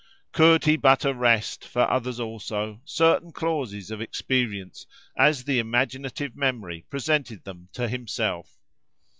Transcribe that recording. Could he but arrest, for others also, certain clauses of experience, as the imaginative memory presented them to himself!